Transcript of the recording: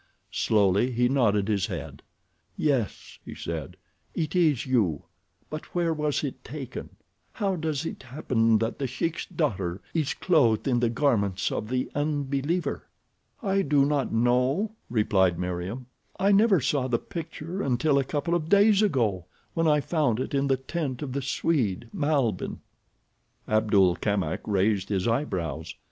Slowly he nodded his head. "Yes," he said, "it is you, but where was it taken? How does it happen that The Sheik's daughter is clothed in the garments of the unbeliever?" "I do not know," replied Meriem. "I never saw the picture until a couple of days ago, when I found it in the tent of the Swede, Malbihn." Abdul Kamak raised his eyebrows.